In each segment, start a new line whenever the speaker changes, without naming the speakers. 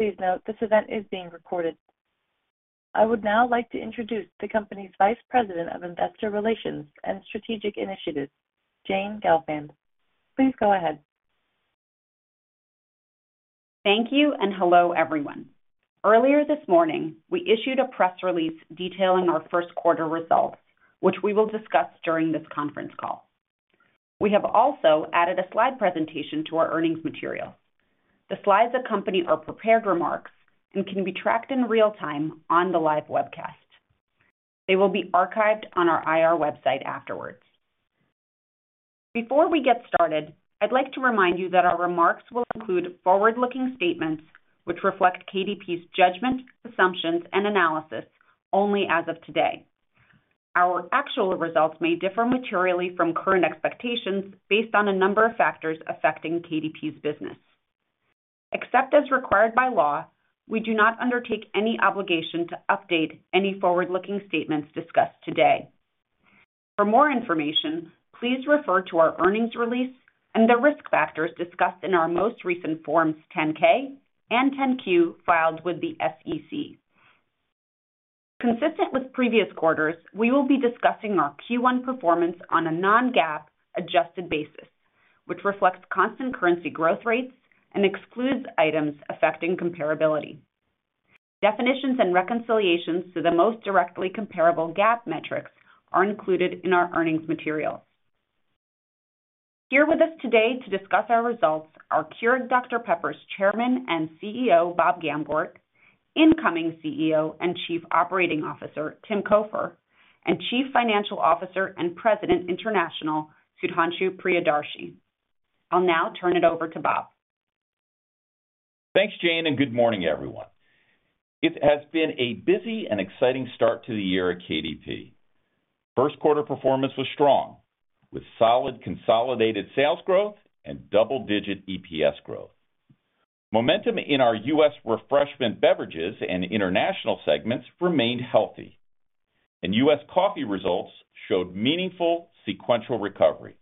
Please note this event is being recorded. I would now like to introduce the company's Vice President of Investor Relations and Strategic Initiatives, Jane Gelfand. Please go ahead.
Thank you and hello everyone. Earlier this morning we issued a press release detailing our first quarter results, which we will discuss during this conference call. We have also added a slide presentation to our earnings materials. The slides accompany our prepared remarks and can be tracked in real time on the live webcast. They will be archived on our IR website afterwards. Before we get started, I'd like to remind you that our remarks will include forward-looking statements which reflect KDP's judgment, assumptions, and analysis only as of today. Our actual results may differ materially from current expectations based on a number of factors affecting KDP's business. Except as required by law, we do not undertake any obligation to update any forward-looking statements discussed today. For more information, please refer to our earnings release and the risk factors discussed in our most recent Forms 10-K and 10-Q filed with the SEC. Consistent with previous quarters, we will be discussing our Q1 performance on a non-GAAP adjusted basis, which reflects constant currency growth rates and excludes items affecting comparability. Definitions and reconciliations to the most directly comparable GAAP metrics are included in our earnings materials. Here with us today to discuss our results are Keurig Dr Pepper's Chairman and CEO Bob Gamgort, incoming CEO and Chief Operating Officer Tim Cofer, and Chief Financial Officer and President, International Sudhanshu Priyadarshi. I'll now turn it over to Bob.
Thanks, Jane, and good morning everyone. It has been a busy and exciting start to the year at KDP. First quarter performance was strong, with solid consolidated sales growth and double-digit EPS growth. Momentum in our U.S. refreshment beverages and international segments remained healthy, and U.S. coffee results showed meaningful sequential recovery.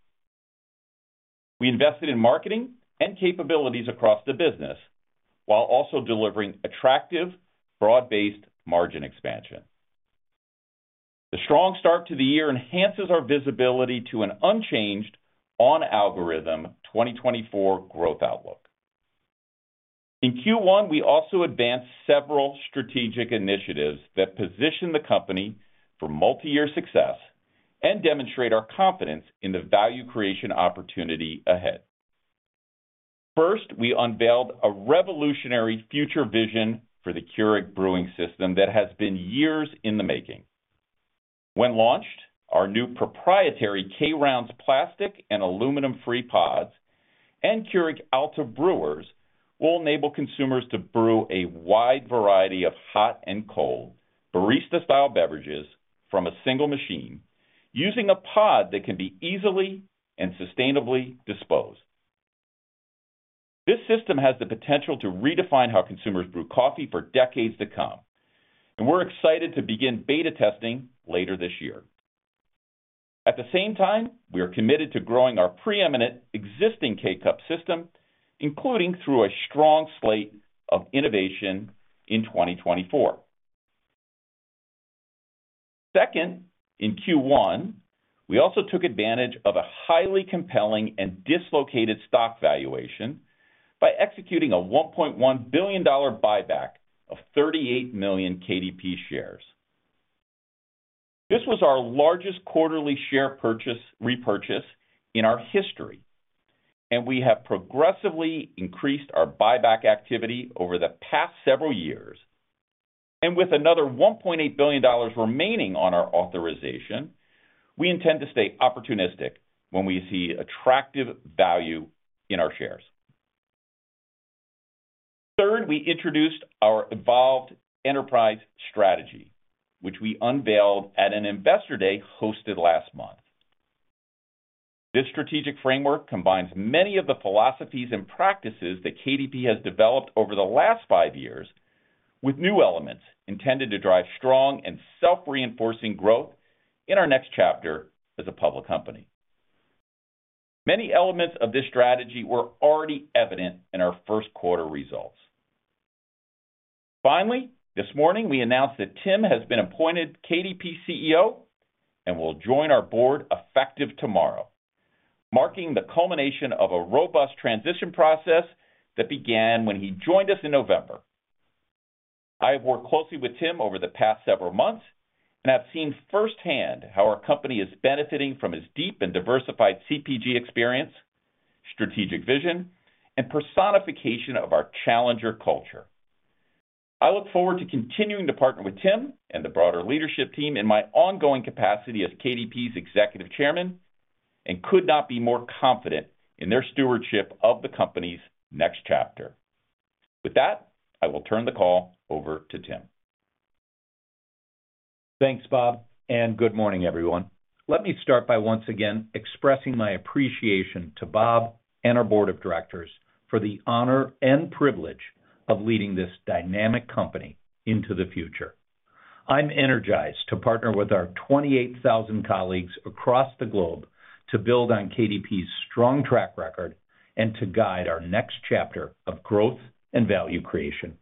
We invested in marketing and capabilities across the business while also delivering attractive, broad-based margin expansion. The strong start to the year enhances our visibility to an unchanged on-algorithm 2024 growth outlook. In Q1, we also advanced several strategic initiatives that position the company for multi-year success and demonstrate our confidence in the value creation opportunity ahead. First, we unveiled a revolutionary future vision for the Keurig brewing system that has been years in the making. When launched, our new proprietary K-Rounds plastic and aluminum-free pods and Keurig Alta Brewers will enable consumers to brew a wide variety of hot and cold barista-style beverages from a single machine using a pod that can be easily and sustainably disposed. This system has the potential to redefine how consumers brew coffee for decades to come, and we're excited to begin beta testing later this year. At the same time, we are committed to growing our preeminent existing K-Cup system, including through a strong slate of innovation in 2024. Second, in Q1, we also took advantage of a highly compelling and dislocated stock valuation by executing a $1.1 billion buyback of 38 million KDP shares. This was our largest quarterly share repurchase in our history, and we have progressively increased our buyback activity over the past several years. With another $1.8 billion remaining on our authorization, we intend to stay opportunistic when we see attractive value in our shares. Third, we introduced our evolved enterprise strategy, which we unveiled at an Investor Day hosted last month. This strategic framework combines many of the philosophies and practices that KDP has developed over the last five years with new elements intended to drive strong and self-reinforcing growth in our next chapter as a public company. Many elements of this strategy were already evident in our first quarter results. Finally, this morning we announced that Tim has been appointed KDP CEO and will join our board effective tomorrow, marking the culmination of a robust transition process that began when he joined us in November. I have worked closely with Tim over the past several months and have seen firsthand how our company is benefiting from his deep and diversified CPG experience, strategic vision, and personification of our challenger culture. I look forward to continuing to partner with Tim and the broader leadership team in my ongoing capacity as KDP's Executive Chairman and could not be more confident in their stewardship of the company's next chapter. With that, I will turn the call over to Tim.
Thanks, Bob, and good morning, everyone. Let me start by once again expressing my appreciation to Bob and our Board of Directors for the honor and privilege of leading this dynamic company into the future. I'm energized to partner with our 28,000 colleagues across the globe to build on KDP's strong track record and to guide our next chapter of growth and value creation.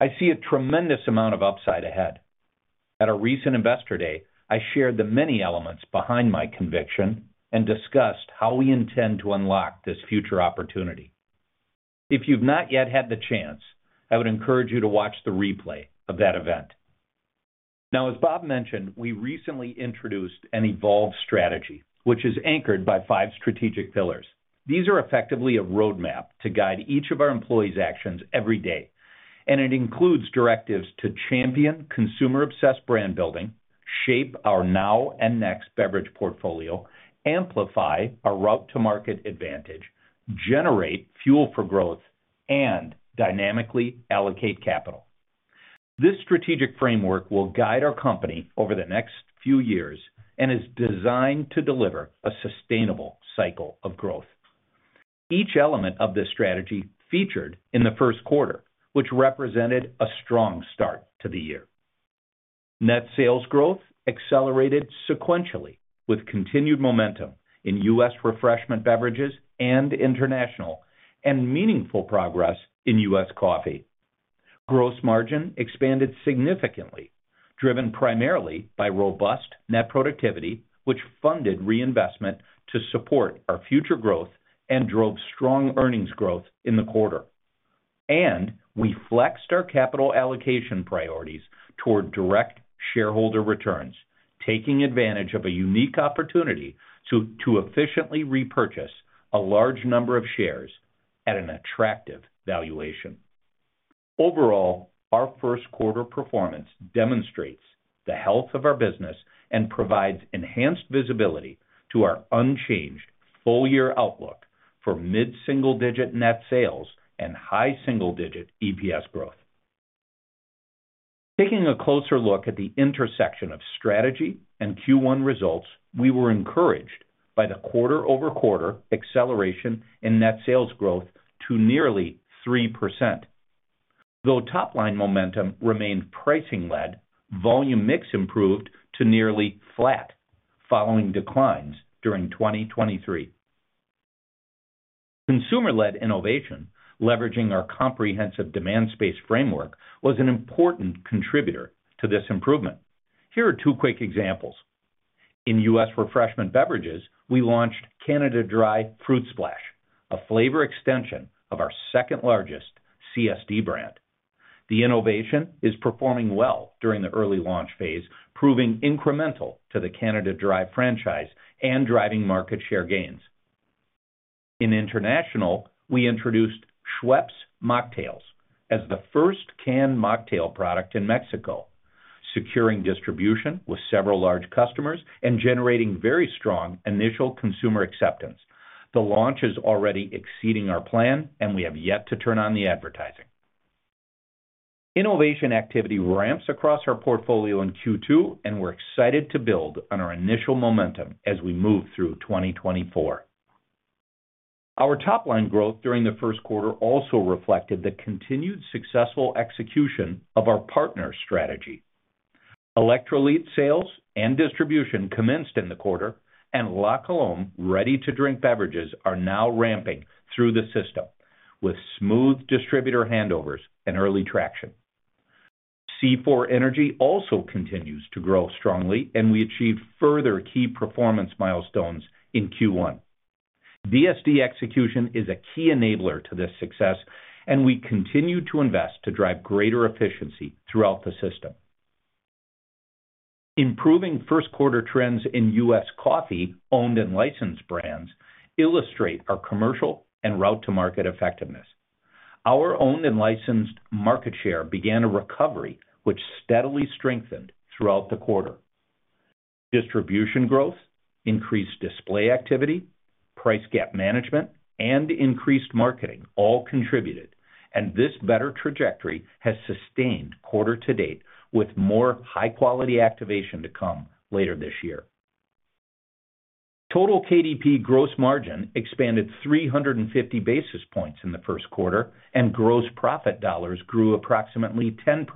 I see a tremendous amount of upside ahead. At our recent Investor Day, I shared the many elements behind my conviction and discussed how we intend to unlock this future opportunity. If you've not yet had the chance, I would encourage you to watch the replay of that event. Now, as Bob mentioned, we recently introduced an evolved strategy, which is anchored by five strategic pillars. These are effectively a roadmap to guide each of our employees' actions every day, and it includes directives to champion consumer-obsessed brand building, shape our now and next beverage portfolio, amplify our route-to-market advantage, generate fuel for growth, and dynamically allocate capital. This strategic framework will guide our company over the next few years and is designed to deliver a sustainable cycle of growth. Each element of this strategy featured in the first quarter, which represented a strong start to the year. Net sales growth accelerated sequentially with continued momentum in U.S. refreshment beverages and international and meaningful progress in U.S. coffee. Gross margin expanded significantly, driven primarily by robust net productivity, which funded reinvestment to support our future growth and drove strong earnings growth in the quarter. We flexed our capital allocation priorities toward direct shareholder returns, taking advantage of a unique opportunity to efficiently repurchase a large number of shares at an attractive valuation. Overall, our first quarter performance demonstrates the health of our business and provides enhanced visibility to our unchanged full-year outlook for mid-single-digit net sales and high single-digit EPS growth. Taking a closer look at the intersection of strategy and Q1 results, we were encouraged by the quarter-over-quarter acceleration in net sales growth to nearly 3%. Though top-line momentum remained pricing-led, volume mix improved to nearly flat following declines during 2023. Consumer-led innovation, leveraging our comprehensive demand space framework, was an important contributor to this improvement. Here are two quick examples. In U.S. refreshment beverages, we launched Canada Dry Fruit Splash, a flavor extension of our second-largest CSD brand. The innovation is performing well during the early launch phase, proving incremental to the Canada Dry franchise and driving market share gains. In international, we introduced Schweppes Mocktails as the first canned mocktail product in Mexico, securing distribution with several large customers and generating very strong initial consumer acceptance. The launch is already exceeding our plan, and we have yet to turn on the advertising. Innovation activity ramps across our portfolio in Q2, and we're excited to build on our initial momentum as we move through 2024. Our top-line growth during the first quarter also reflected the continued successful execution of our partner strategy. Electrolit sales and distribution commenced in the quarter, and La Colombe ready-to-drink beverages are now ramping through the system with smooth distributor handovers and early traction. C4 Energy also continues to grow strongly, and we achieved further key performance milestones in Q1. DSD execution is a key enabler to this success, and we continue to invest to drive greater efficiency throughout the system. Improving first-quarter trends in U.S. Coffee owned and licensed brands illustrate our commercial and route-to-market effectiveness. Our owned and licensed market share began a recovery, which steadily strengthened throughout the quarter. Distribution growth, increased display activity, price gap management, and increased marketing all contributed, and this better trajectory has sustained quarter to date, with more high-quality activation to come later this year. Total KDP gross margin expanded 350 basis points in the first quarter, and gross profit dollars grew approximately 10%.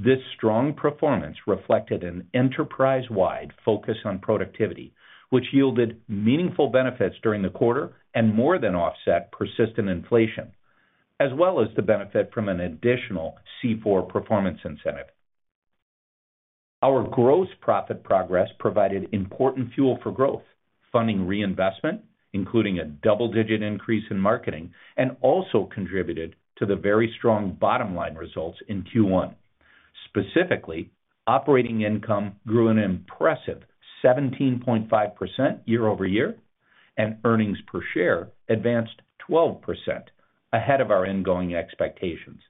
This strong performance reflected an enterprise-wide focus on productivity, which yielded meaningful benefits during the quarter and more than offset persistent inflation, as well as the benefit from an additional C4 performance incentive. Our gross profit progress provided important fuel for growth, funding reinvestment, including a double-digit increase in marketing, and also contributed to the very strong bottom-line results in Q1. Specifically, operating income grew an impressive 17.5% year-over-year, and earnings per share advanced 12% ahead of our ingoing expectations.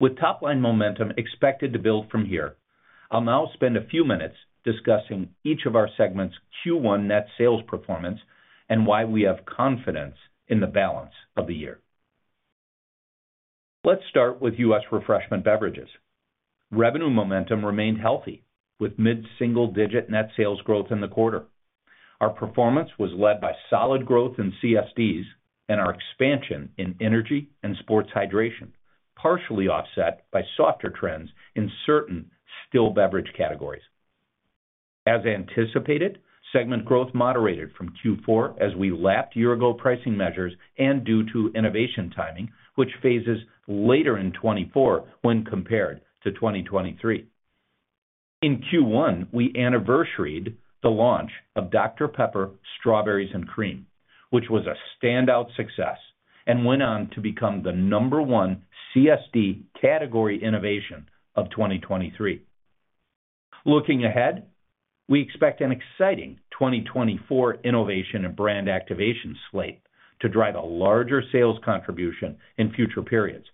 With top-line momentum expected to build from here, I'll now spend a few minutes discussing each of our segments' Q1 net sales performance and why we have confidence in the balance of the year. Let's start with U.S. refreshment beverages. Revenue momentum remained healthy, with mid-single-digit net sales growth in the quarter. Our performance was led by solid growth in CSDs and our expansion in energy and sports hydration, partially offset by softer trends in certain still-beverage categories. As anticipated, segment growth moderated from Q4 as we lapped year-ago pricing measures and due to innovation timing, which phases later in 2024 when compared to 2023. In Q1, we anniversaried the launch of Dr Pepper Strawberries & Cream, which was a standout success and went on to become the number one CSD category innovation of 2023. Looking ahead, we expect an exciting 2024 innovation and brand activation slate to drive a larger sales contribution in future periods.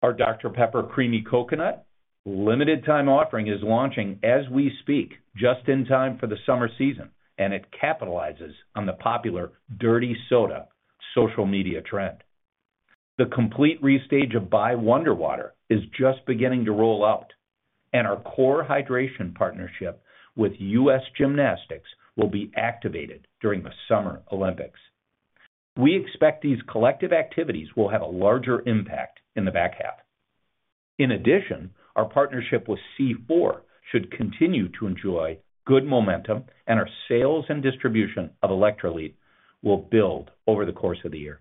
Our Dr Pepper Creamy Coconut limited-time offering is launching as we speak, just in time for the summer season, and it capitalizes on the popular dirty soda social media trend. The complete restage of Bai WonderWater is just beginning to roll out, and our Core Hydration partnership with U.S. Gymnastics will be activated during the Summer Olympics. We expect these collective activities will have a larger impact in the back half. In addition, our partnership with C4 should continue to enjoy good momentum, and our sales and distribution of Electrolit will build over the course of the year.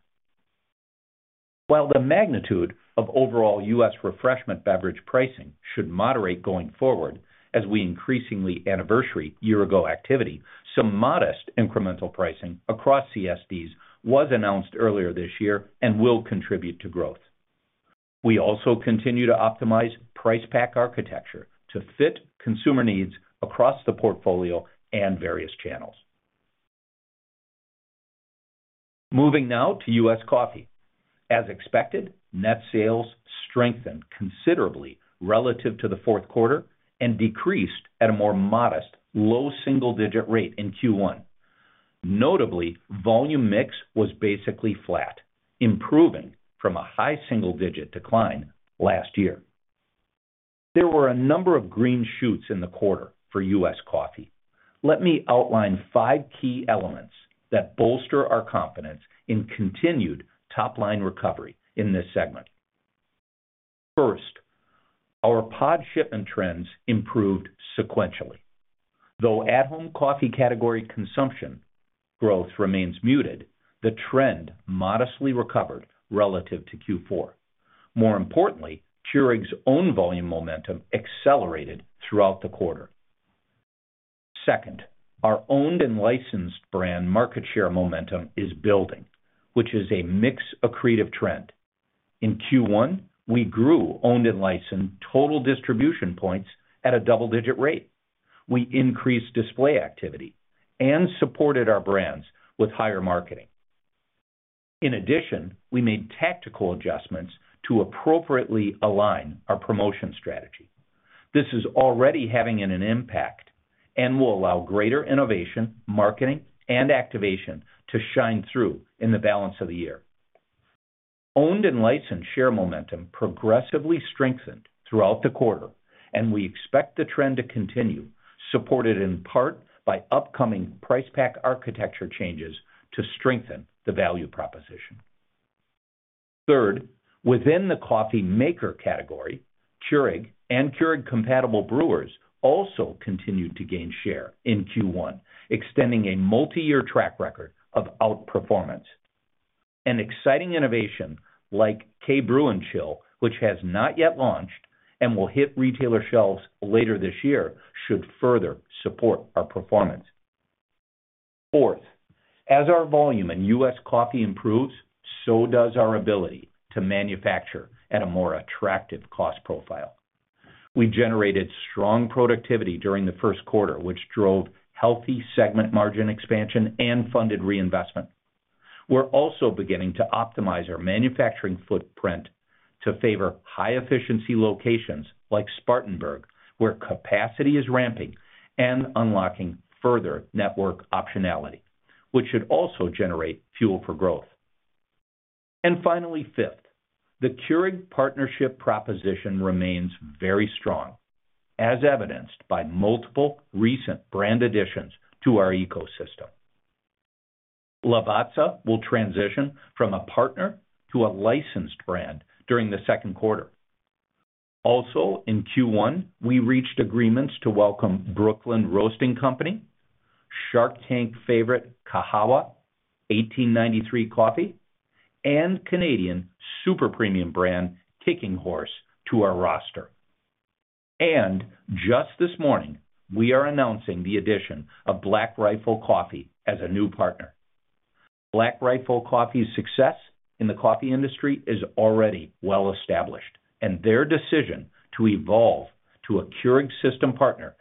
While the magnitude of overall U.S. refreshment beverage pricing should moderate going forward as we increasingly anniversary year-ago activity, some modest incremental pricing across CSDs was announced earlier this year and will contribute to growth. We also continue to optimize price pack architecture to fit consumer needs across the portfolio and various channels. Moving now to U.S. coffee. As expected, net sales strengthened considerably relative to the fourth quarter and decreased at a more modest low single-digit rate in Q1. Notably, volume mix was basically flat, improving from a high single-digit decline last year. There were a number of green shoots in the quarter for U.S. coffee. Let me outline five key elements that bolster our confidence in continued top-line recovery in this segment. First, our pod shipment trends improved sequentially. Though at-home coffee category consumption growth remains muted, the trend modestly recovered relative to Q4. More importantly, Keurig's own volume momentum accelerated throughout the quarter. Second, our owned and licensed brand market share momentum is building, which is a mixed accretive trend. In Q1, we grew owned and licensed total distribution points at a double-digit rate. We increased display activity and supported our brands with higher marketing. In addition, we made tactical adjustments to appropriately align our promotion strategy. This is already having an impact and will allow greater innovation, marketing, and activation to shine through in the balance of the year. Owned and licensed share momentum progressively strengthened throughout the quarter, and we expect the trend to continue, supported in part by upcoming price pack architecture changes to strengthen the value proposition. Third, within the coffee maker category, Keurig and Keurig-compatible brewers also continued to gain share in Q1, extending a multi-year track record of outperformance. An exciting innovation like K-Brew+Chill, which has not yet launched and will hit retailer shelves later this year, should further support our performance. Fourth, as our volume in U.S. coffee improves, so does our ability to manufacture at a more attractive cost profile. We generated strong productivity during the first quarter, which drove healthy segment margin expansion and funded reinvestment. We're also beginning to optimize our manufacturing footprint to favor high-efficiency locations like Spartanburg, where capacity is ramping and unlocking further network optionality, which should also generate fuel for growth. Finally, fifth, the Keurig partnership proposition remains very strong, as evidenced by multiple recent brand additions to our ecosystem. Lavazza will transition from a partner to a licensed brand during the second quarter. Also, in Q1, we reached agreements to welcome Brooklyn Roasting Company, Shark Tank favorite Kahawa 1893 Coffee, and Canadian super premium brand Kicking Horse to our roster. And just this morning, we are announcing the addition of Black Rifle Coffee as a new partner. Black Rifle Coffee's success in the coffee industry is already well established, and their decision to evolve to a Keurig system partner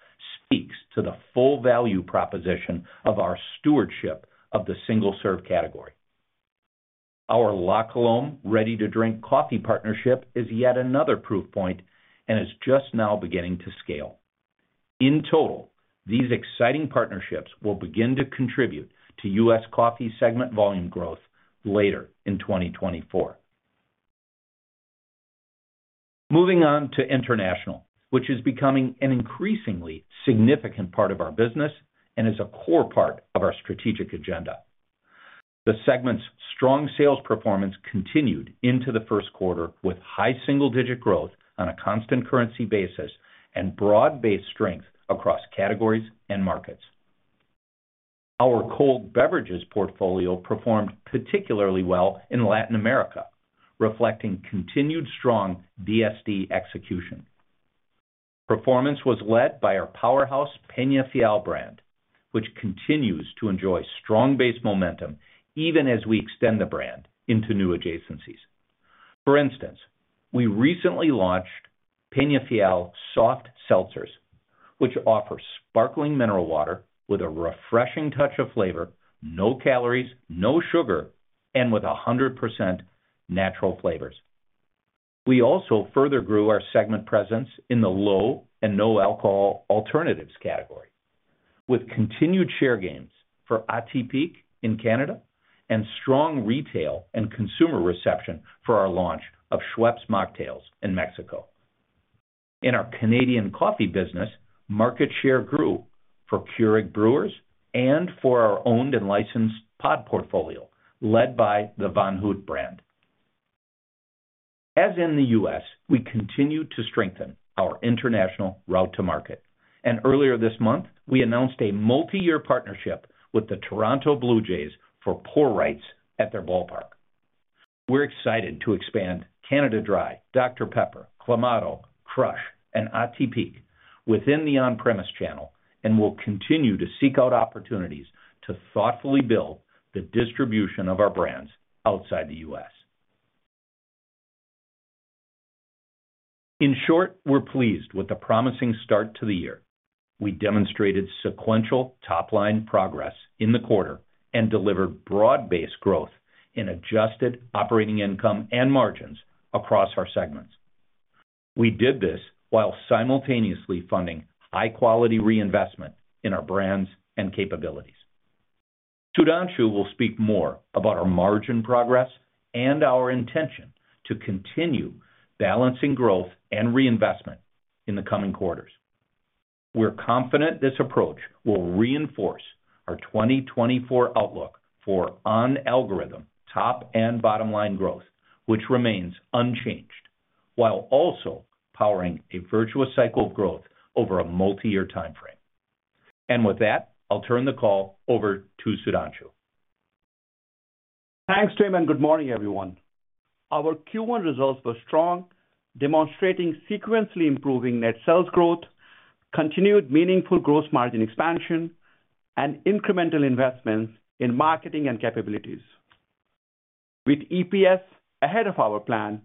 speaks to the full value proposition of our stewardship of the single-serve category. Our La Colombe ready-to-drink coffee partnership is yet another proof point and is just now beginning to scale. In total, these exciting partnerships will begin to contribute to U.S. coffee segment volume growth later in 2024. Moving on to international, which is becoming an increasingly significant part of our business and is a core part of our strategic agenda. The segment's strong sales performance continued into the first quarter with high single-digit growth on a constant currency basis and broad-based strength across categories and markets. Our cold beverages portfolio performed particularly well in Latin America, reflecting continued strong DSD execution. Performance was led by our powerhouse Peñafiel brand, which continues to enjoy strong-based momentum even as we extend the brand into new adjacencies. For instance, we recently launched Peñafiel soft seltzers, which offer sparkling mineral water with a refreshing touch of flavor, no calories, no sugar, and with 100% natural flavors. We also further grew our segment presence in the low and no alcohol alternatives category, with continued share gains for Atypique in Canada and strong retail and consumer reception for our launch of Schweppes Mocktails in Mexico. In our Canadian coffee business, market share grew for Keurig brewers and for our owned and licensed pod portfolio led by the Van Houtte brand. As in the U.S., we continue to strengthen our international route to market. Earlier this month, we announced a multi-year partnership with the Toronto Blue Jays for pour rights at their ballpark. We're excited to expand Canada Dry, Dr Pepper, Clamato, Crush, and Atypique within the on-premise channel and will continue to seek out opportunities to thoughtfully build the distribution of our brands outside the U.S. In short, we're pleased with the promising start to the year. We demonstrated sequential top-line progress in the quarter and delivered broad-based growth in adjusted operating income and margins across our segments. We did this while simultaneously funding high-quality reinvestment in our brands and capabilities. Sudhanshu will speak more about our margin progress and our intention to continue balancing growth and reinvestment in the coming quarters. We're confident this approach will reinforce our 2024 outlook for on-algorithm top and bottom-line growth, which remains unchanged while also powering a virtuous cycle of growth over a multi-year time frame. And with that, I'll turn the call over to Sudhanshu.
Thanks, Tim, and good morning, everyone. Our Q1 results were strong, demonstrating sequentially improving net sales growth, continued meaningful gross margin expansion, and incremental investments in marketing and capabilities. With EPS ahead of our plan,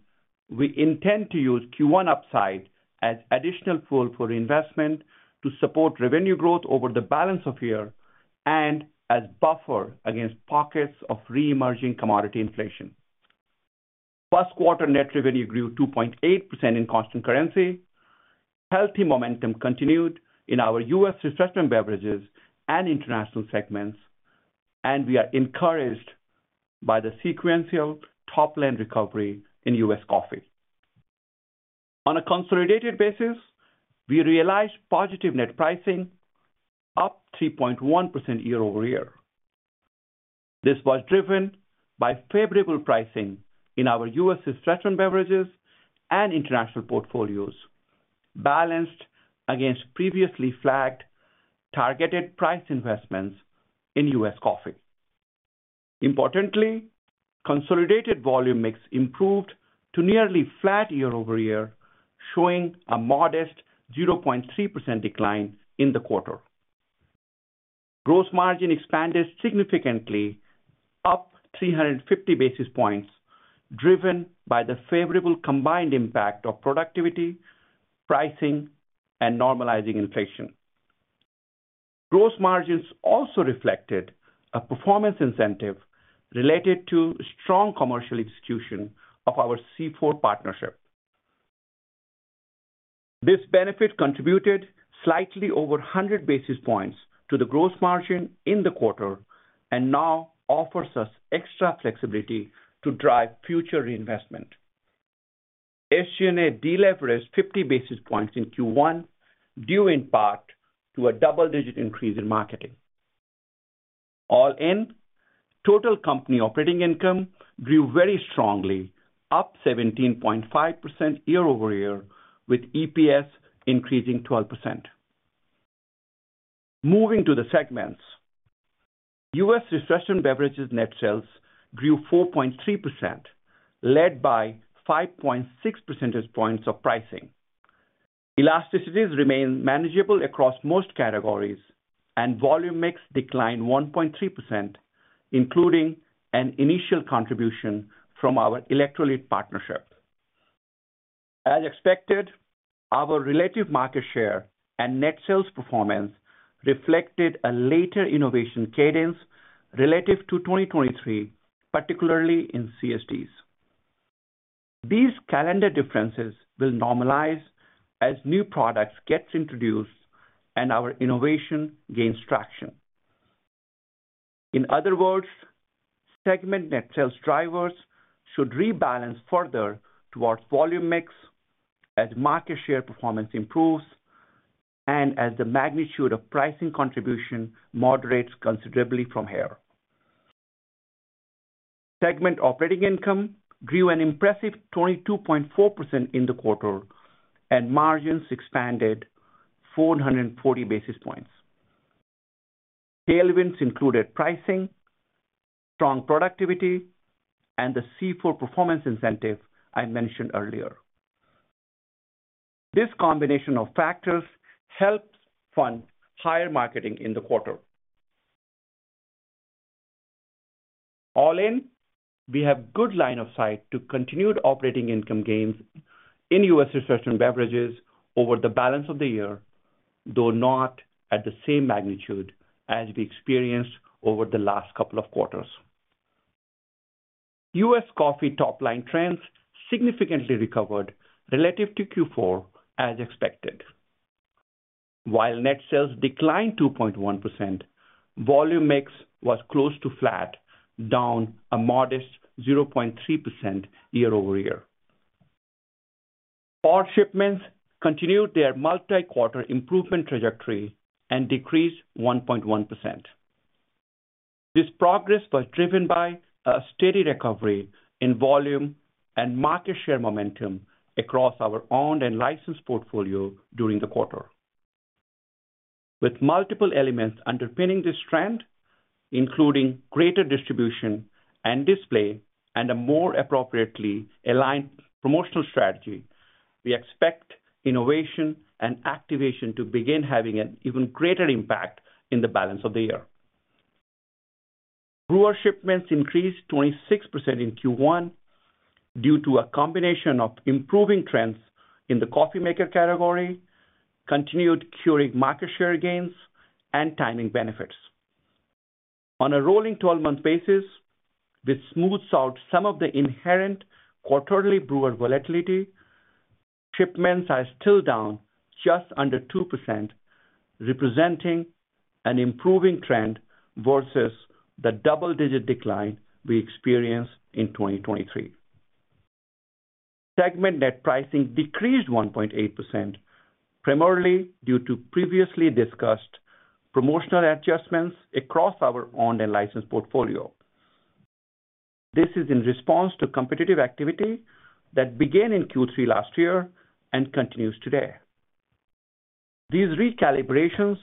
we intend to use Q1 upside as additional pool for reinvestment to support revenue growth over the balance of year and as buffer against pockets of reemerging commodity inflation. First quarter net revenue grew 2.8% in constant currency. Healthy momentum continued in our U.S. refreshment beverages and international segments, and we are encouraged by the sequential top-line recovery in U.S. coffee. On a consolidated basis, we realized positive net pricing up 3.1% year-over-year. This was driven by favorable pricing in our U.S. refreshment beverages and international portfolios balanced against previously flagged targeted price investments in U.S. coffee. Importantly, consolidated volume mix improved to nearly flat year-over-year, showing a modest 0.3% decline in the quarter. Gross margin expanded significantly up 350 basis points, driven by the favorable combined impact of productivity, pricing, and normalizing inflation. Gross margins also reflected a performance incentive related to strong commercial execution of our C4 partnership. This benefit contributed slightly over 100 basis points to the gross margin in the quarter and now offers us extra flexibility to drive future reinvestment. SG&A deleveraged 50 basis points in Q1 due in part to a double-digit increase in marketing. All in, total company operating income grew very strongly, up 17.5% year-over-year, with EPS increasing 12%. Moving to the segments, U.S. refreshment beverages net sales grew 4.3%, led by 5.6 percentage points of pricing. Elasticities remain manageable across most categories, and volume mix declined 1.3%, including an initial contribution from our Electrolit partnership. As expected, our relative market share and net sales performance reflected a later innovation cadence relative to 2023, particularly in CSDs. These calendar differences will normalize as new products get introduced and our innovation gains traction. In other words, segment net sales drivers should rebalance further towards volume mix as market share performance improves and as the magnitude of pricing contribution moderates considerably from here. Segment operating income grew an impressive 22.4% in the quarter, and margins expanded 440 basis points. Tailwinds included pricing, strong productivity, and the C4 performance incentive I mentioned earlier. This combination of factors helps fund higher marketing in the quarter. All in, we have good line of sight to continued operating income gains in U.S. refreshment beverages over the balance of the year, though not at the same magnitude as we experienced over the last couple of quarters. U.S. coffee top-line trends significantly recovered relative to Q4 as expected. While net sales declined 2.1%, volume mix was close to flat, down a modest 0.3% year-over-year. Pod shipments continued their multi-quarter improvement trajectory and decreased 1.1%. This progress was driven by a steady recovery in volume and market share momentum across our owned and licensed portfolio during the quarter. With multiple elements underpinning this trend, including greater distribution and display and a more appropriately aligned promotional strategy, we expect innovation and activation to begin having an even greater impact in the balance of the year. Brewer shipments increased 26% in Q1 due to a combination of improving trends in the coffee maker category, continued Keurig market share gains, and timing benefits. On a rolling 12-month basis, this smooths out some of the inherent quarterly brewer volatility. Shipments are still down just under 2%, representing an improving trend versus the double-digit decline we experienced in 2023. Segment net pricing decreased 1.8%, primarily due to previously discussed promotional adjustments across our owned and licensed portfolio. This is in response to competitive activity that began in Q3 last year and continues today. These recalibrations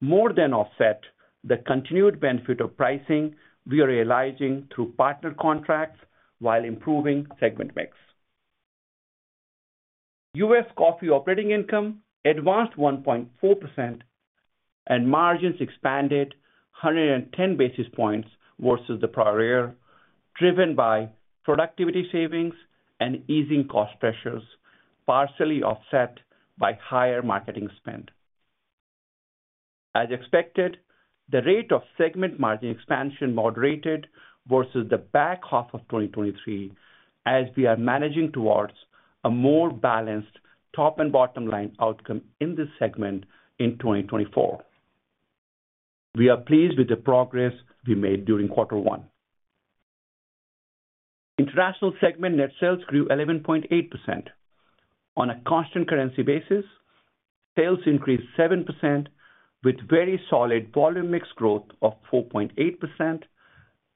more than offset the continued benefit of pricing we are realizing through partner contracts while improving segment mix. U.S. coffee operating income advanced 1.4%, and margins expanded 110 basis points versus the prior year, driven by productivity savings and easing cost pressures, partially offset by higher marketing spend. As expected, the rate of segment margin expansion moderated versus the back half of 2023 as we are managing towards a more balanced top- and bottom-line outcome in this segment in 2024. We are pleased with the progress we made during quarter one. International segment net sales grew 11.8%. On a constant currency basis, sales increased 7% with very solid volume mix growth of 4.8%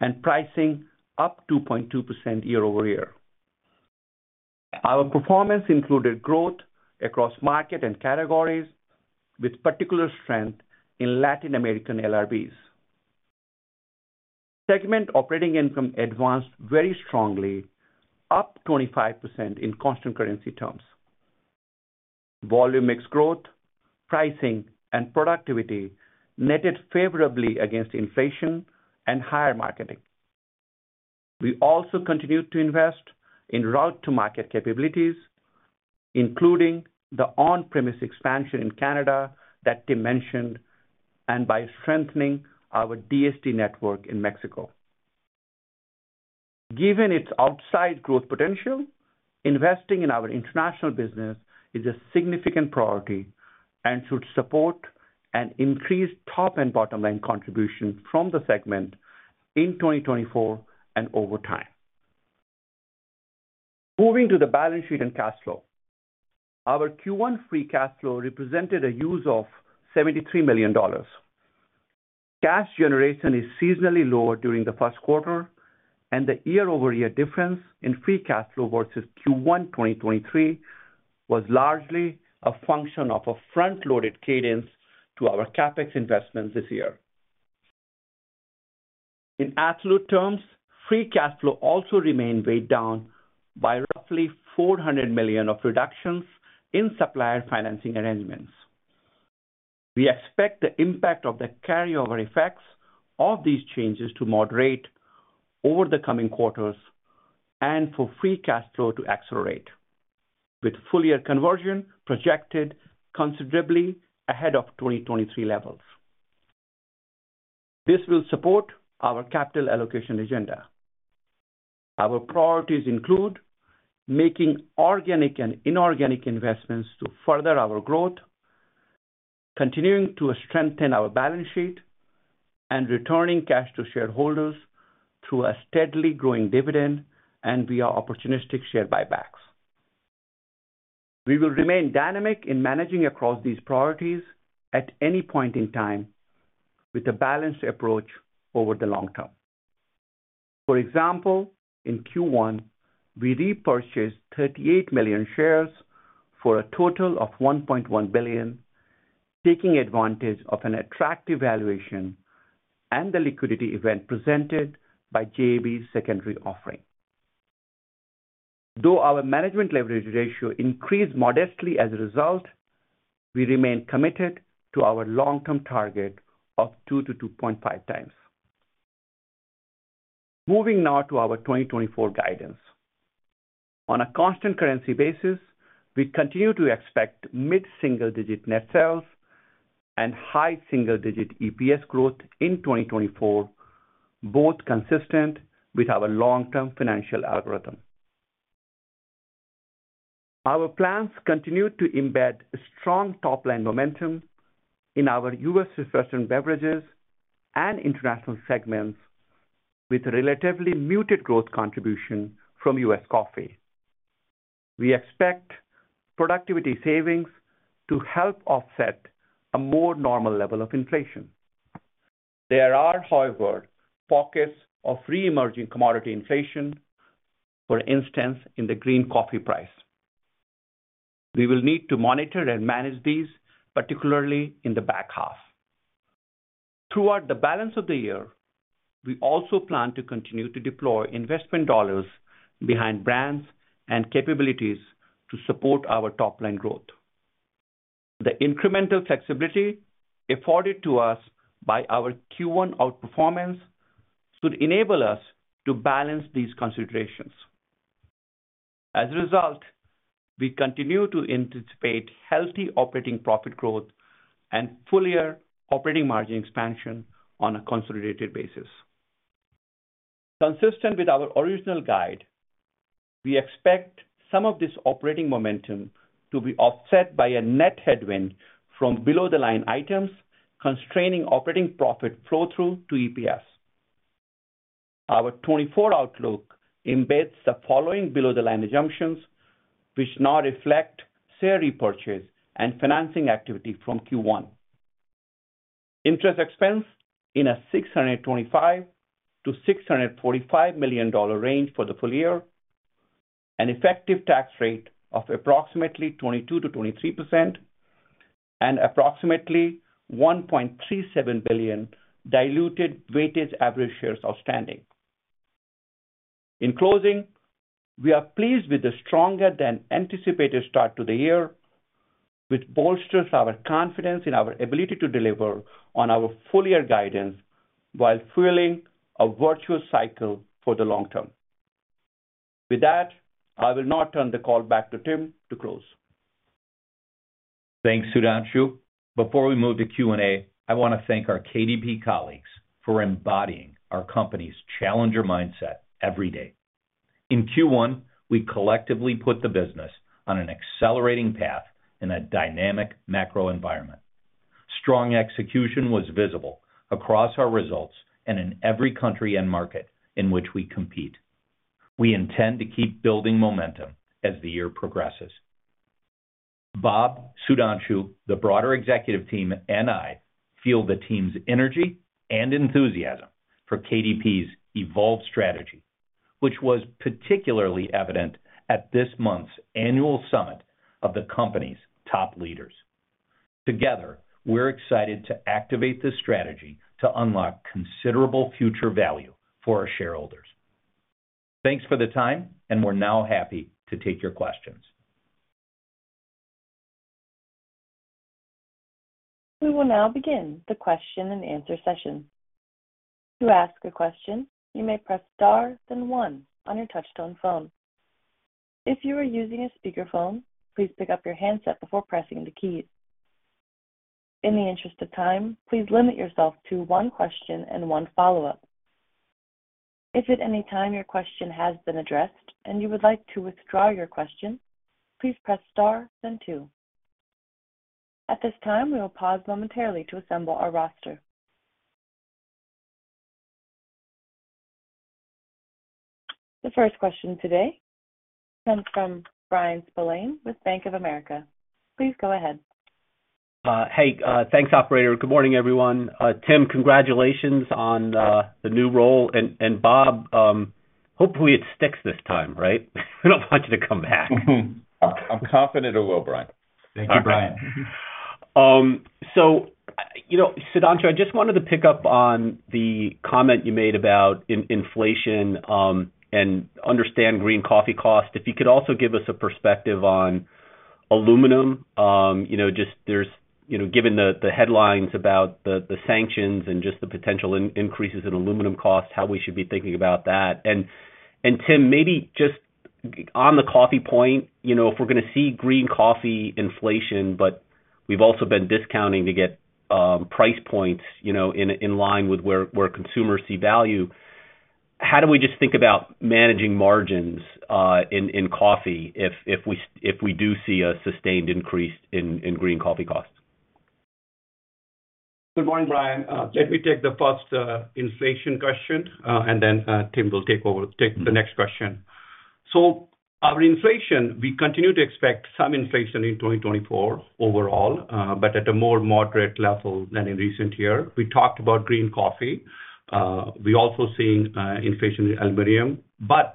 and pricing up 2.2% year-over-year. Our performance included growth across market and categories, with particular strength in Latin American LRBs. Segment operating income advanced very strongly, up 25% in constant currency terms. Volume mix growth, pricing, and productivity netted favorably against inflation and higher marketing. We also continued to invest in route-to-market capabilities, including the on-premise expansion in Canada that Tim mentioned and by strengthening our DSD network in Mexico. Given its outside growth potential, investing in our international business is a significant priority and should support an increased top and bottom-line contribution from the segment in 2024 and over time. Moving to the balance sheet and cash flow, our Q1 free cash flow represented a use of $73 million. Cash generation is seasonally lower during the first quarter, and the year-over-year difference in free cash flow versus Q1 2023 was largely a function of a front-loaded cadence to our CapEx investments this year. In absolute terms, free cash flow also remained weighed down by roughly $400 million of reductions in supplier financing arrangements. We expect the impact of the carryover effects of these changes to moderate over the coming quarters and for free cash flow to accelerate, with full-year conversion projected considerably ahead of 2023 levels. This will support our capital allocation agenda. Our priorities include making organic and inorganic investments to further our growth, continuing to strengthen our balance sheet, and returning cash to shareholders through a steadily growing dividend and via opportunistic share buybacks. We will remain dynamic in managing across these priorities at any point in time with a balanced approach over the long term. For example, in Q1, we repurchased 38 million shares for a total of $1.1 billion, taking advantage of an attractive valuation and the liquidity event presented by JAB's secondary offering. Though our management leverage ratio increased modestly as a result, we remain committed to our long-term target of 2x-2.5x. Moving now to our 2024 guidance. On a constant currency basis, we continue to expect mid-single-digit net sales and high single-digit EPS growth in 2024, both consistent with our long-term financial algorithm. Our plans continue to embed strong top-line momentum in our U.S. refreshment beverages and international segments with a relatively muted growth contribution from U.S. coffee. We expect productivity savings to help offset a more normal level of inflation. There are, however, pockets of reemerging commodity inflation, for instance, in the green coffee price. We will need to monitor and manage these, particularly in the back half. Throughout the balance of the year, we also plan to continue to deploy investment dollars behind brands and capabilities to support our top-line growth. The incremental flexibility afforded to us by our Q1 outperformance should enable us to balance these considerations. As a result, we continue to anticipate healthy operating profit growth and full-year operating margin expansion on a consolidated basis. Consistent with our original guide, we expect some of this operating momentum to be offset by a net headwind from below-the-line items constraining operating profit flow-through to EPS. Our 2024 outlook embeds the following below-the-line assumptions, which now reflect share repurchase and financing activity from Q1: interest expense in a $625 million-$645 million range for the full year, an effective tax rate of approximately 22%-23%, and approximately 1.37 billion diluted weighted average shares outstanding. In closing, we are pleased with the stronger-than-anticipated start to the year, which bolsters our confidence in our ability to deliver on our full-year guidance while fueling a virtuous cycle for the long term. With that, I will now turn the call back to Tim to close.
Thanks, Sudhanshu. Before we move to Q&A, I want to thank our KDP colleagues for embodying our company's challenger mindset every day. In Q1, we collectively put the business on an accelerating path in a dynamic macro environment. Strong execution was visible across our results and in every country and market in which we compete. We intend to keep building momentum as the year progresses. Bob, Sudhanshu, the broader executive team, and I feel the team's energy and enthusiasm for KDP's evolved strategy, which was particularly evident at this month's annual summit of the company's top leaders. Together, we're excited to activate this strategy to unlock considerable future value for our shareholders. Thanks for the time, and we're now happy to take your questions.
We will now begin the question-and-answer session. To ask a question, you may press star then one on your touch-tone phone. If you are using a speakerphone, please pick up your handset before pressing the keys. In the interest of time, please limit yourself to one question and one follow-up. If at any time your question has been addressed and you would like to withdraw your question, please press star then two. At this time, we will pause momentarily to assemble our roster. The first question today comes from Bryan Spillane with Bank of America. Please go ahead.
Hey, thanks, operator. Good morning, everyone. Tim, congratulations on the new role. And Bob, hopefully, it sticks this time, right? We don't want you to come back.
I'm confident it will, Bryan.
Thank you, Bryan.
So, Sudhanshu, I just wanted to pick up on the comment you made about inflation and understand green coffee cost. If you could also give us a perspective on aluminum. Just given the headlines about the sanctions and just the potential increases in aluminum costs, how we should be thinking about that. And Tim, maybe just on the coffee point, if we're going to see green coffee inflation, but we've also been discounting to get price points in line with where consumers see value, how do we just think about managing margins in coffee if we do see a sustained increase in green coffee costs?
Good morning, Bryan. Let me take the first inflation question, and then Tim will take the next question. So on inflation, we continue to expect some inflation in 2024 overall, but at a more moderate level than in recent years. We talked about green coffee. We're also seeing inflation in aluminum. But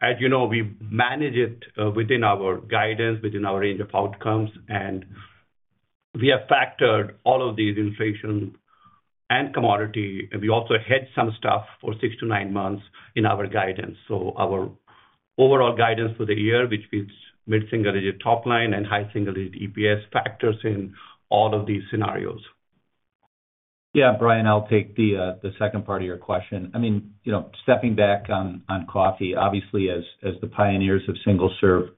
as you know, we manage it within our guidance, within our range of outcomes, and we have factored all of these inflation and commodities. We also hedge some stuff for six to nine months in our guidance. So our overall guidance for the year, which feeds mid-single-digit top line and high single-digit EPS, factors in all of these scenarios.
Yeah, Bryan, I'll take the second part of your question. I mean, stepping back on coffee, obviously, as the pioneers of single-serve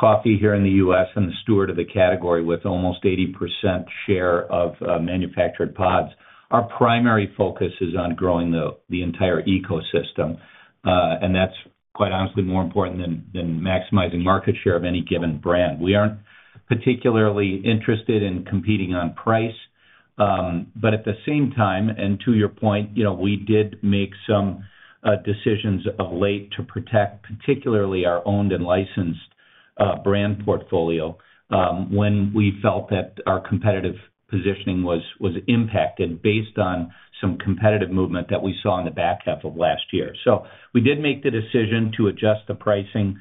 coffee here in the U.S. and the steward of the category with almost 80% share of manufactured pods, our primary focus is on growing the entire ecosystem. And that's, quite honestly, more important than maximizing market share of any given brand. We aren't particularly interested in competing on price. But at the same time, and to your point, we did make some decisions of late to protect particularly our owned and licensed brand portfolio when we felt that our competitive positioning was impacted based on some competitive movement that we saw in the back half of last year. So we did make the decision to adjust the pricing,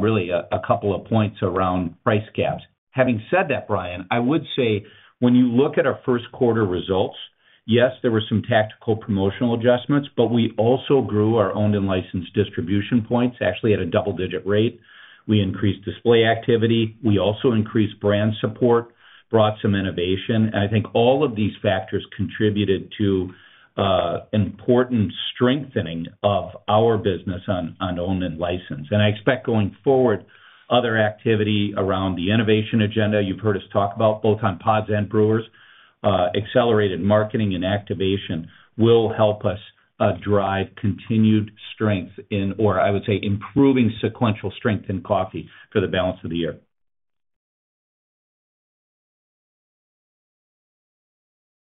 really, a couple of points around price gaps. Having said that, Bryan, I would say when you look at our first quarter results, yes, there were some tactical promotional adjustments, but we also grew our owned and licensed distribution points actually at a double-digit rate. We increased display activity. We also increased brand support, brought some innovation. And I think all of these factors contributed to important strengthening of our business on owned and licensed. And I expect going forward, other activity around the innovation agenda you've heard us talk about both on pods and brewers, accelerated marketing and activation will help us drive continued strength in, or I would say, improving sequential strength in coffee for the balance of the year.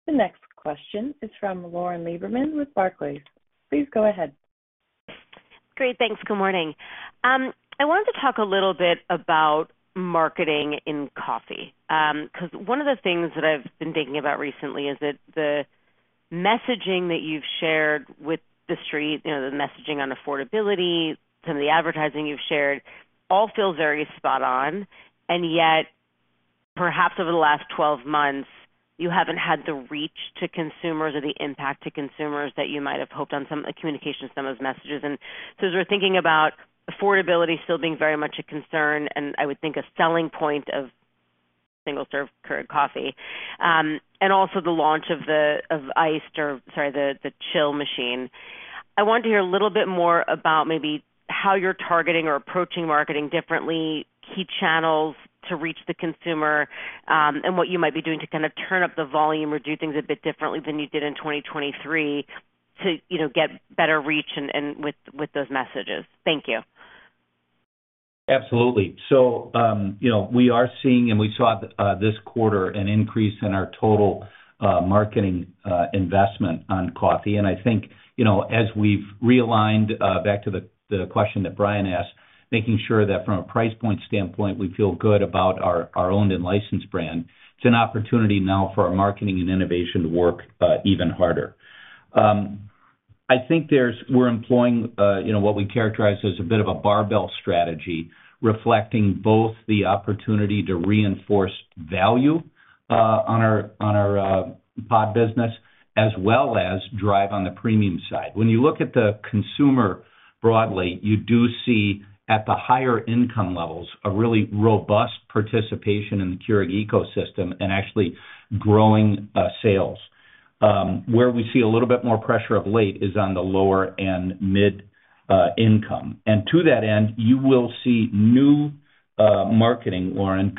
The next question is from Lauren Lieberman with Barclays. Please go ahead.
Great. Thanks. Good morning. I wanted to talk a little bit about marketing in coffee because one of the things that I've been thinking about recently is that the messaging that you've shared with the street, the messaging on affordability, some of the advertising you've shared, all feels very spot on. And yet, perhaps over the last 12 months, you haven't had the reach to consumers or the impact to consumers that you might have hoped on some communication, some of those messages. So as we're thinking about affordability still being very much a concern and I would think a selling point of single-serve cold coffee, and also the launch of iced or, sorry, the chill machine, I want to hear a little bit more about maybe how you're targeting or approaching marketing differently, key channels to reach the consumer, and what you might be doing to kind of turn up the volume or do things a bit differently than you did in 2023 to get better reach with those messages. Thank you.
Absolutely. So we are seeing, and we saw this quarter, an increase in our total marketing investment on coffee. And I think as we've realigned back to the question that Bryan asked, making sure that from a price point standpoint, we feel good about our owned and licensed brand, it's an opportunity now for our marketing and innovation to work even harder. I think we're employing what we characterize as a bit of a barbell strategy, reflecting both the opportunity to reinforce value on our pod business as well as drive on the premium side. When you look at the consumer broadly, you do see at the higher income levels a really robust participation in the Keurig ecosystem and actually growing sales. Where we see a little bit more pressure of late is on the lower and mid-income. To that end, you will see new marketing, Lauren,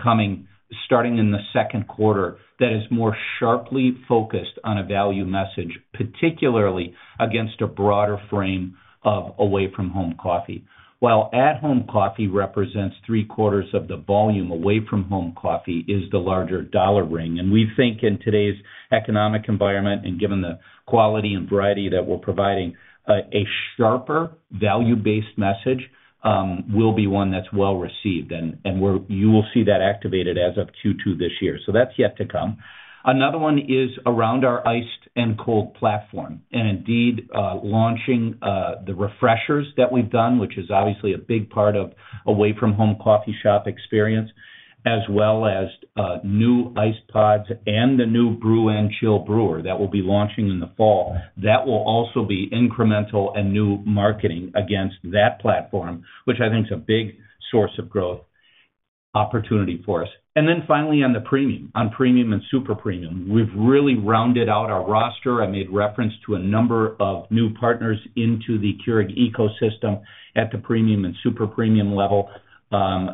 starting in the second quarter that is more sharply focused on a value message, particularly against a broader frame of away-from-home coffee. While at-home coffee represents 3/4 of the volume, away-from-home coffee is the larger dollar ring. We think in today's economic environment and given the quality and variety that we're providing, a sharper value-based message will be one that's well received. You will see that activated as of Q2 this year. That's yet to come. Another one is around our iced and cold platform and indeed launching the refreshers that we've done, which is obviously a big part of away-from-home coffee shop experience, as well as new iced pods and the new brew and chill brewer that will be launching in the fall. That will also be incremental and new marketing against that platform, which I think is a big source of growth opportunity for us. Then finally, on the premium, on premium and super premium, we've really rounded out our roster. I made reference to a number of new partners into the Keurig ecosystem at the premium and super premium level.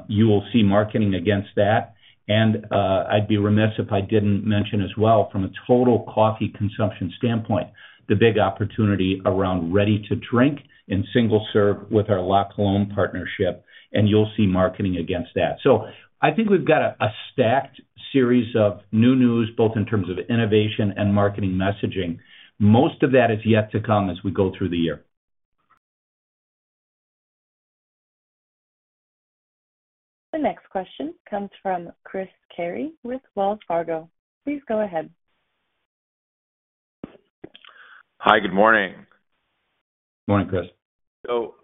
You will see marketing against that. And I'd be remiss if I didn't mention as well, from a total coffee consumption standpoint, the big opportunity around ready-to-drink and single-serve with our La Colombe partnership. And you'll see marketing against that. So I think we've got a stacked series of new news, both in terms of innovation and marketing messaging. Most of that is yet to come as we go through the year.
The next question comes from Chris Carey with Wells Fargo. Please go ahead.
Hi. Good morning.
Morning, Chris.
So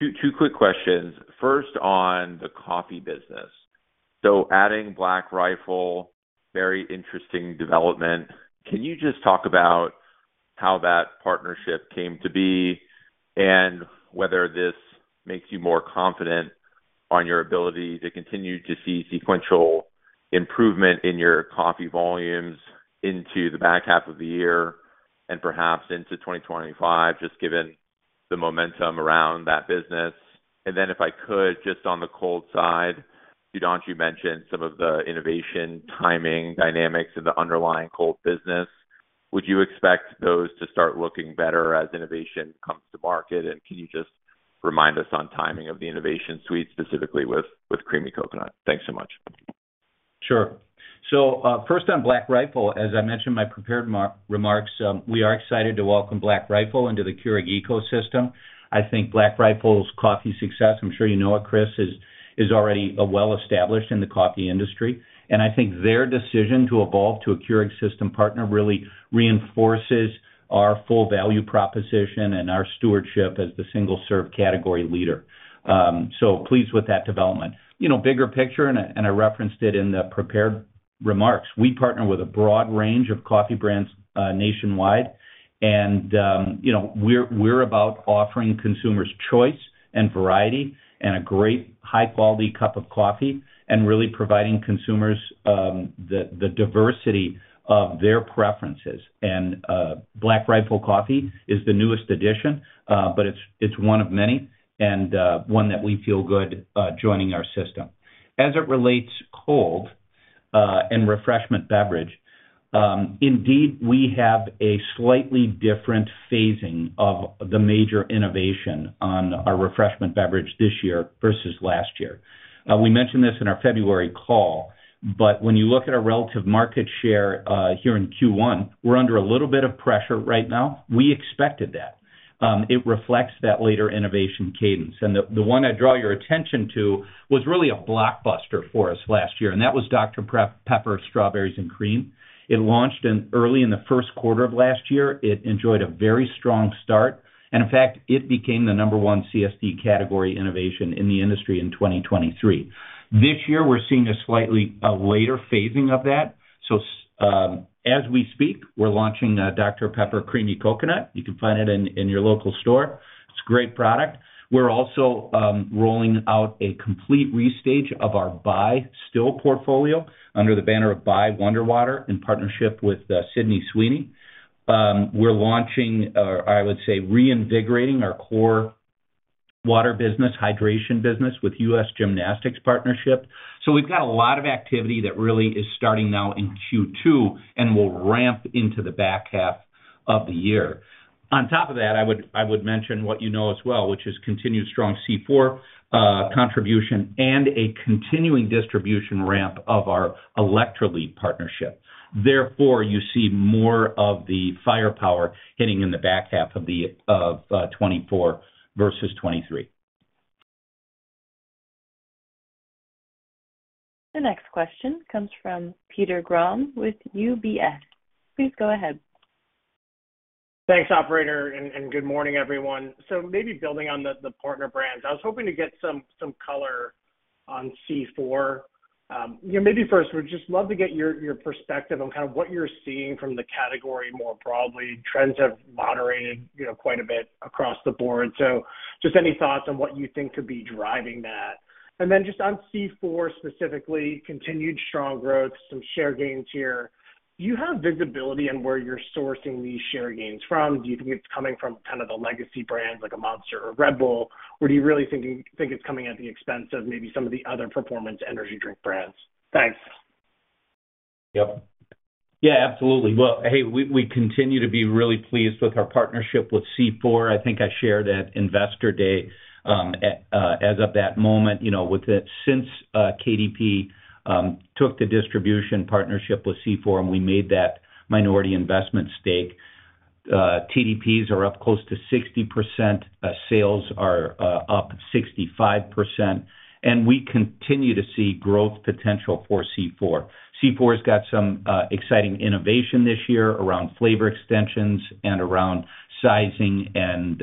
two quick questions. First on the coffee business. So adding Black Rifle, very interesting development. Can you just talk about how that partnership came to be and whether this makes you more confident on your ability to continue to see sequential improvement in your coffee volumes into the back half of the year and perhaps into 2025, just given the momentum around that business? And then if I could, just on the cold side, Sudhanshu mentioned some of the innovation timing dynamics in the underlying cold business. Would you expect those to start looking better as innovation comes to market? And can you just remind us on timing of the innovation suite, specifically with creamy coconut? Thanks so much.
Sure. So first on Black Rifle, as I mentioned in my prepared remarks, we are excited to welcome Black Rifle into the Keurig ecosystem. I think Black Rifle's coffee success, I'm sure you know it, Chris, is already well established in the coffee industry. And I think their decision to evolve to a Keurig system partner really reinforces our full value proposition and our stewardship as the single-serve category leader. So pleased with that development. Bigger picture, and I referenced it in the prepared remarks, we partner with a broad range of coffee brands nationwide. And we're about offering consumers choice and variety and a great high-quality cup of coffee and really providing consumers the diversity of their preferences. And Black Rifle coffee is the newest addition, but it's one of many and one that we feel good joining our system. As it relates to cold and refreshment beverage, indeed, we have a slightly different phasing of the major innovation on our refreshment beverage this year versus last year. We mentioned this in our February call, but when you look at our relative market share here in Q1, we're under a little bit of pressure right now. We expected that. It reflects that later innovation cadence. And the one I draw your attention to was really a blockbuster for us last year, and that was Dr Pepper Strawberries & Cream. It launched early in the first quarter of last year. It enjoyed a very strong start. And in fact, it became the number one CSD category innovation in the industry in 2023. This year, we're seeing a slightly later phasing of that. So as we speak, we're launching Dr Pepper Creamy Coconut. You can find it in your local store. It's a great product. We're also rolling out a complete restage of our Bai still portfolio under the banner of Bai WonderWater in partnership with Sydney Sweeney. We're launching, or I would say reinvigorating our Core water business, hydration business with U.S. Gymnastics partnership. So we've got a lot of activity that really is starting now in Q2 and will ramp into the back half of the year. On top of that, I would mention what you know as well, which is continued strong C4 contribution and a continuing distribution ramp of our Electrolit partnership. Therefore, you see more of the firepower hitting in the back half of 2024 versus 2023.
The next question comes from Peter Grom with UBS. Please go ahead.
Thanks, operator, and good morning, everyone. So maybe building on the partner brands, I was hoping to get some color on C4. Maybe first, we'd just love to get your perspective on kind of what you're seeing from the category more broadly. Trends have moderated quite a bit across the board. So just any thoughts on what you think could be driving that? And then just on C4 specifically, continued strong growth, some share gains here. Do you have visibility on where you're sourcing these share gains from? Do you think it's coming from kind of the legacy brands like a Monster or Red Bull, or do you really think it's coming at the expense of maybe some of the other performance energy drink brands? Thanks.
Yep. Yeah, absolutely. Well, hey, we continue to be really pleased with our partnership with C4. I think I shared at Investor Day as of that moment. Since KDP took the distribution partnership with C4 and we made that minority investment stake, TDPs are up close to 60%, sales are up 65%, and we continue to see growth potential for C4. C4 has got some exciting innovation this year around flavor extensions and around sizing and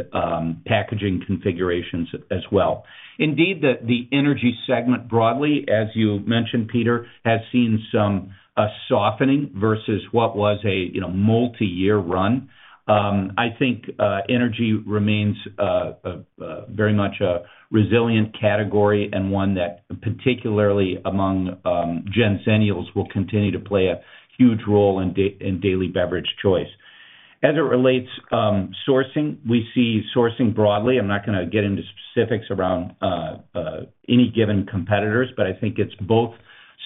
packaging configurations as well. Indeed, the energy segment broadly, as you mentioned, Peter, has seen some softening versus what was a multi-year run. I think energy remains very much a resilient category and one that particularly among Gen Zennials will continue to play a huge role in daily beverage choice. As it relates to sourcing, we see sourcing broadly. I'm not going to get into specifics around any given competitors, but I think it's both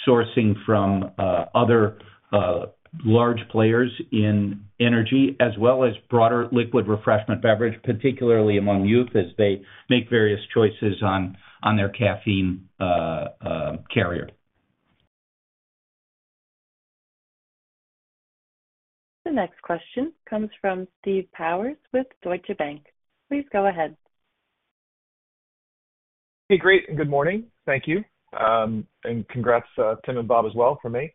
sourcing from other large players in energy as well as broader liquid refreshment beverage, particularly among youth as they make various choices on their caffeine carrier.
The next question comes from Steve Powers with Deutsche Bank. Please go ahead.
Hey, great. Good morning. Thank you. And congrats, Tim and Bob as well from me.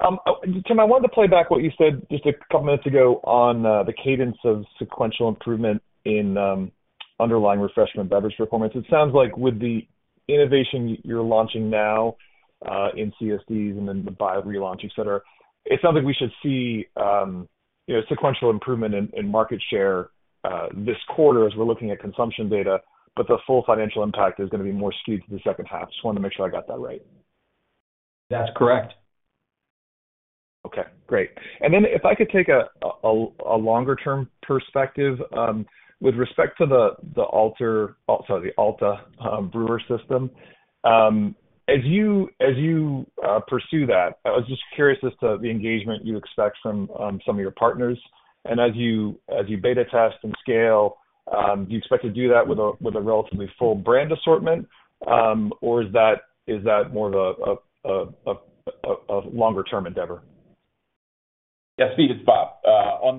Tim, I wanted to play back what you said just a couple of minutes ago on the cadence of sequential improvement in underlying refreshment beverage performance. It sounds like with the innovation you're launching now in CSDs and then the Bai relaunch, etc., it sounds like we should see sequential improvement in market share this quarter as we're looking at consumption data, but the full financial impact is going to be more skewed to the second half. Just wanted to make sure I got that right.
That's correct.
Okay. Great. And then if I could take a longer-term perspective with respect to the Alta brewer system, as you pursue that, I was just curious as to the engagement you expect from some of your partners. And as you beta test and scale, do you expect to do that with a relatively full brand assortment, or is that more of a longer-term endeavor?
Yeah, Steve it’s Bob on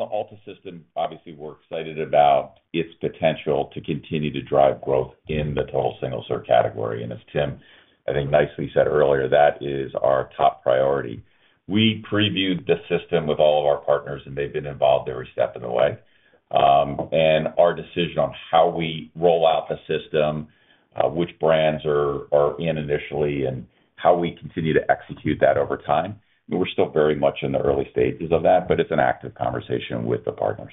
the Alta system, obviously, we're excited about its potential to continue to drive growth in the total single-serve category. As Tim, I think, nicely said earlier, that is our top priority. We previewed the system with all of our partners, and they've been involved every step of the way. Our decision on how we roll out the system, which brands are in initially, and how we continue to execute that over time, we're still very much in the early stages of that, but it's an active conversation with the partners.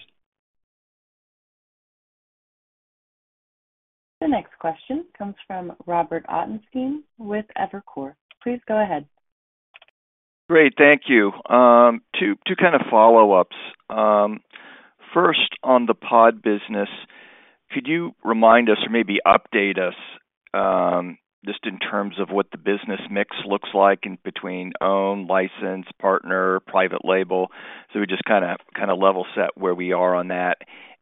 The next question comes from Robert Ottenstein with Evercore. Please go ahead.
Great. Thank you. Two kind of follow-ups. First, on the pod business, could you remind us or maybe update us just in terms of what the business mix looks like in between own, license, partner, private label? So we just kind of level set where we are on that.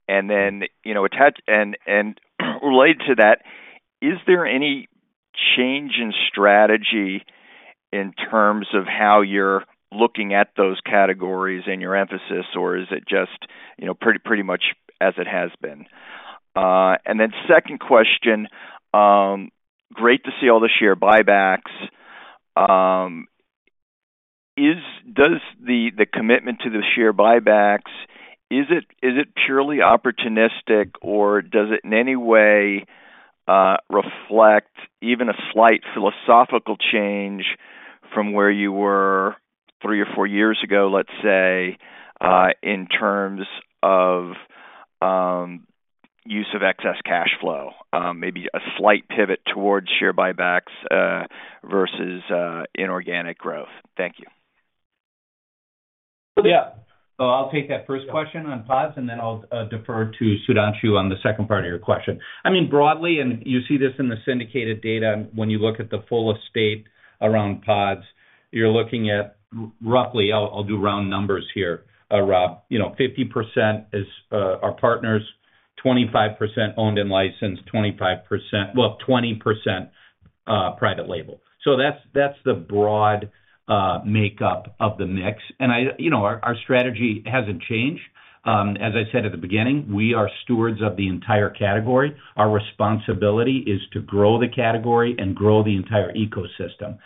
And then related to that, is there any change in strategy in terms of how you're looking at those categories and your emphasis, or is it just pretty much as it has been? And then second question, great to see all the share buybacks. Does the commitment to the share buybacks is it purely opportunistic, or does it in any way reflect even a slight philosophical change from where you were three or four years ago, let's say, in terms of use of excess cash flow? Maybe a slight pivot towards share buybacks versus inorganic growth. Thank you.
Yeah. So I'll take that first question on pods, and then I'll defer to Sudhanshu on the second part of your question. I mean, broadly, and you see this in the syndicated data, when you look at the full estate around pods, you're looking at roughly. I'll do round numbers here, Rob. 50% are partners, 25% owned and licensed, 20% private label. So that's the broad makeup of the mix. And our strategy hasn't changed. As I said at the beginning, we are stewards of the entire category. Our responsibility is to grow the category and grow the entire ecosystem.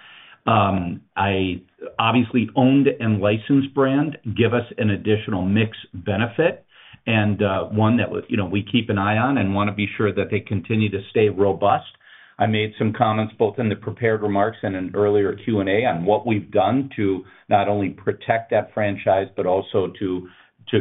Obviously, owned and licensed brands give us an additional mix benefit and one that we keep an eye on and want to be sure that they continue to stay robust. I made some comments both in the prepared remarks and in earlier Q&A on what we've done to not only protect that franchise but also to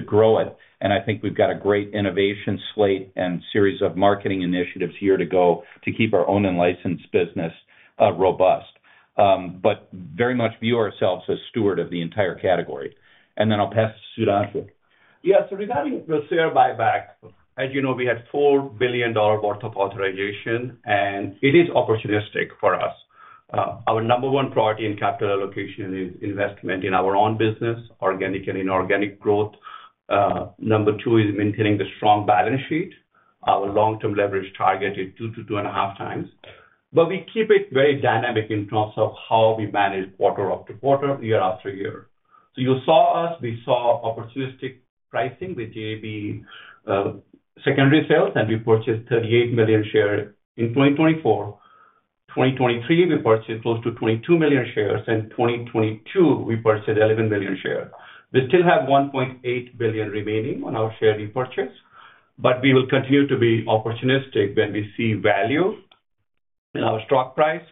grow it. I think we've got a great innovation slate and series of marketing initiatives year to go to keep our own and licensed business robust, but very much view ourselves as steward of the entire category. Then I'll pass to Sudhanshu.
Yeah. So regarding the share buyback, as you know, we had $4 billion worth of authorization, and it is opportunistic for us. Our number one priority in capital allocation is investment in our own business, organic and inorganic growth. Number two is maintaining the strong balance sheet. Our long-term leverage target is 2x-2.5x. But we keep it very dynamic in terms of how we manage quarter after quarter, year after year. So you saw us. We saw opportunistic pricing with JAB secondary sales, and we purchased 38 million shares in 2024. 2023, we purchased close to 22 million shares, and 2022, we purchased 11 million shares. We still have $1.8 billion remaining on our share repurchase. But we will continue to be opportunistic when we see value in our stock price.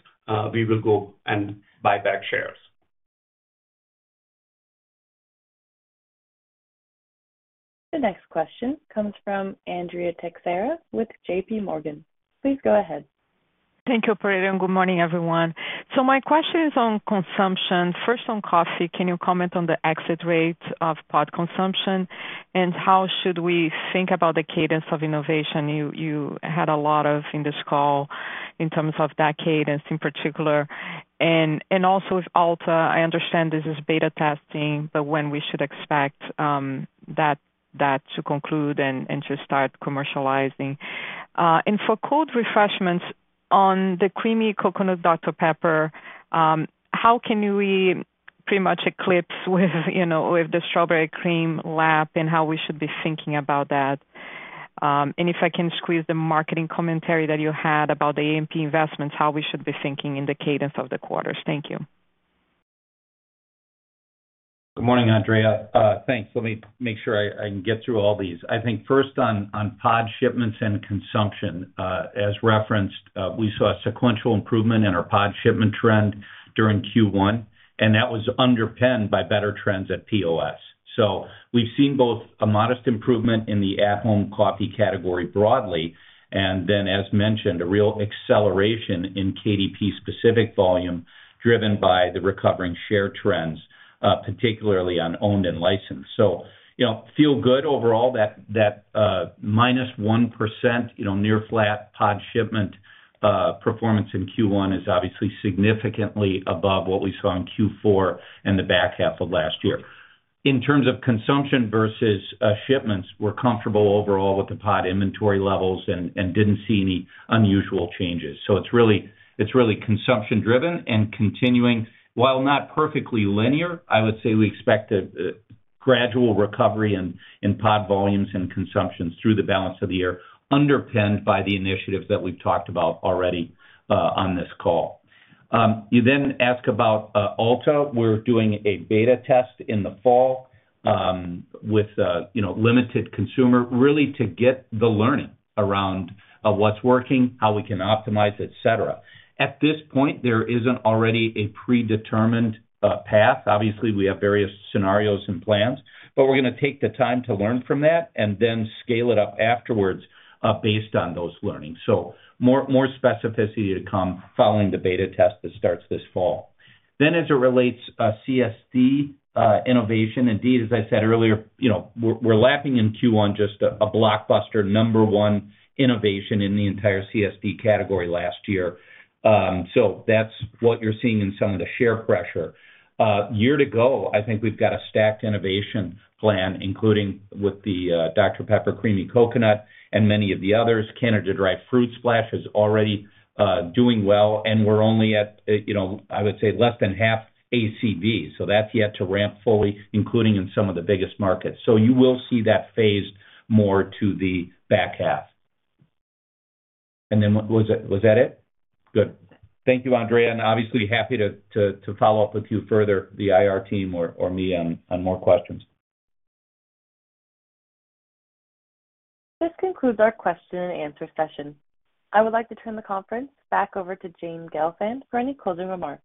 We will go and buy back shares.
The next question comes from Andrea Teixeira with JP Morgan. Please go ahead.
Thank you, operator. Good morning, everyone. My question is on consumption. First, on coffee, can you comment on the exit rate of pod consumption and how should we think about the cadence of innovation? You had a lot of in this call in terms of that cadence in particular. Also with Alta, I understand this is beta testing, but when we should expect that to conclude and to start commercializing? For cold refreshments on the Creamy Coconut Dr Pepper, how can we pretty much eclipse with the Strawberry Cream lap and how we should be thinking about that? If I can squeeze the marketing commentary that you had about the A&P investments, how we should be thinking in the cadence of the quarters? Thank you.
Good morning, Andrea. Thanks. Let me make sure I can get through all these. I think first, on pod shipments and consumption, as referenced, we saw a sequential improvement in our pod shipment trend during Q1, and that was underpinned by better trends at POS. So we've seen both a modest improvement in the at-home coffee category broadly and then, as mentioned, a real acceleration in KDP-specific volume driven by the recovering share trends, particularly on owned and licensed. So feel good overall. That -1% near-flat pod shipment performance in Q1 is obviously significantly above what we saw in Q4 and the back half of last year. In terms of consumption versus shipments, we're comfortable overall with the pod inventory levels and didn't see any unusual changes. So it's really consumption-driven and continuing. While not perfectly linear, I would say we expect a gradual recovery in pod volumes and consumptions through the balance of the year underpinned by the initiatives that we've talked about already on this call. You then ask about Alta. We're doing a beta test in the fall with limited consumer, really to get the learning around what's working, how we can optimize, etc. At this point, there isn't already a predetermined path. Obviously, we have various scenarios and plans, but we're going to take the time to learn from that and then scale it up afterwards based on those learnings. So more specificity to come following the beta test that starts this fall. Then as it relates to CSD innovation, indeed, as I said earlier, we're lapping in Q1 just a blockbuster number one innovation in the entire CSD category last year. So that's what you're seeing in some of the share pressure. Year to go, I think we've got a stacked innovation plan, including with the Dr Pepper Creamy Coconut and many of the others. Canada Dry Fruit Splash is already doing well, and we're only at, I would say, less than half ACV. So that's yet to ramp fully, including in some of the biggest markets. So you will see that phased more to the back half. And then was that it? Good. Thank you, Andrea. And obviously, happy to follow up with you further, the IR team or me, on more questions.
This concludes our question and answer session. I would like to turn the conference back over to Jane Gelfand for any closing remarks.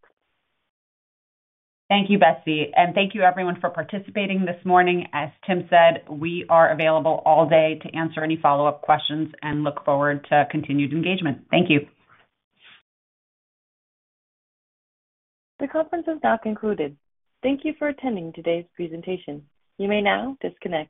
Thank you, Betsy. Thank you, everyone, for participating this morning. As Tim said, we are available all day to answer any follow-up questions and look forward to continued engagement. Thank you.
The conference is now concluded. Thank you for attending today's presentation. You may now disconnect.